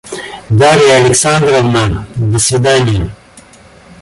Дарья Александровна, до свиданья.